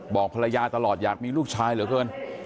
บอกภรรยาตลอดอยากมีลูกชายเหลือเกิน